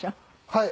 はい。